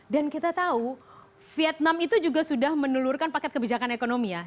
dan kita tahu vietnam itu juga sudah menelurkan paket kebijakan ekonomi